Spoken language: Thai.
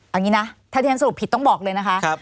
เอางี้นะถ้าที่ฉันสรุปผิดต้องบอกเลยนะคะ